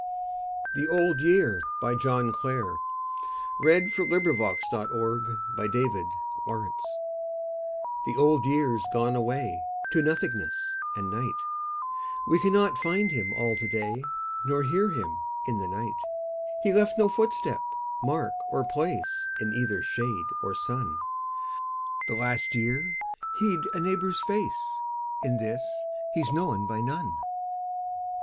aters, To the miller himsel', and his three bonny daughters. The Old Year The Old Year's gone away To nothingness and night: We cannot find him all the day Nor hear him in the night: He left no footstep, mark or place In either shade or sun: The last year he'd a neighbour's face, In this he's known by none.